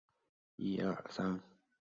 郑居中是唐朝人。